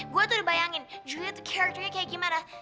gue tuh udah bayangin juliet tuh karakternya kayak gimana